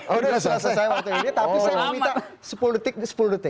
oh udah selesai saya waktu ini tapi saya mau minta sepuluh detik sepuluh detik